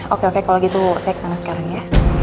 oke oke kalau gitu saya kesana sekarang ya